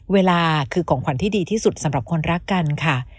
เวลาคือของขวัญที่ดีที่สุดสำหรับคนรักกันค่ะ